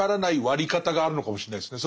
割り方があるのかもしれないですね。